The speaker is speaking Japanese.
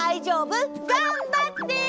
がんばって！